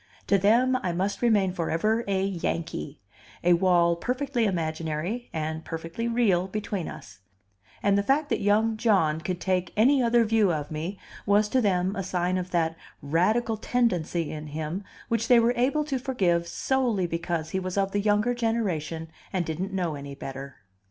To them I must remain forever a "Yankee," a wall perfectly imaginary and perfectly real between us; and the fact that young John could take any other view of me, was to them a sign of that "radical" tendency in him which they were able to forgive solely because he was of the younger generation and didn't know any better.